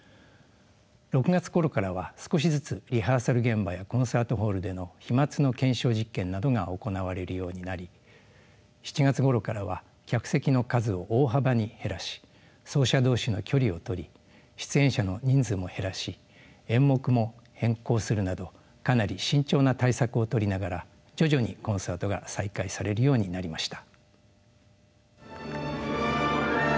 ６月ころからは少しずつリハーサル現場やコンサートホールでの飛まつの検証実験などが行われるようになり７月ごろからは客席の数を大幅に減らし奏者同士の距離をとり出演者の人数も減らし演目も変更するなどかなり慎重な対策を取りながら徐々にコンサートが再開されるようになりました。